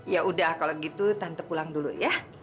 ya udah kalau gitu tante pulang dulu ya